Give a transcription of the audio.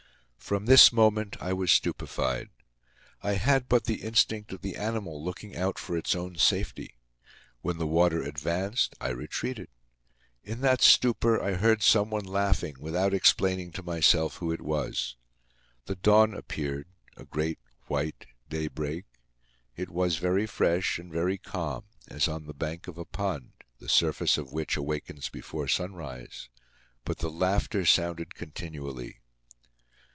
From this moment, I was stupefied. I had but the instinct of the animal looking out for its own safety. When the water advanced, I retreated. In that stupor, I heard someone laughing, without explaining to myself who it was. The dawn appeared, a great white daybreak. It was very fresh and very calm, as on the bank of a pond, the surface of which awakens before sunrise. But the laughter sounded continually.